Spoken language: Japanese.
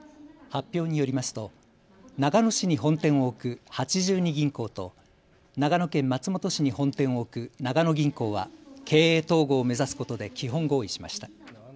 発表によりますと長野市に本店を置く八十二銀行と長野県松本市に本店を置く長野銀行は経営統合を目指すことで基本合意しました。